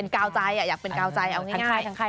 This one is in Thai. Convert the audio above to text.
กาวใจอยากเป็นกาวใจเอาง่าย